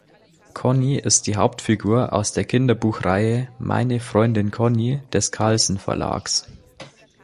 Conni ist die Hauptfigur aus der Kinderbuchreihe "Meine Freundin Conni" des Carlsen Verlags.